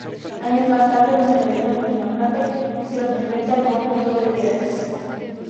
Años más tarde, los herederos del magnate, pusieron en venta el conjunto de piedras.